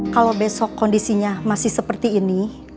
kalau besok kondisinya masih seperti ini